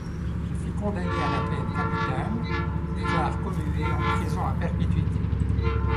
Il fut condamné à la peine capitale, plus tard commuée en prison à perpétuité.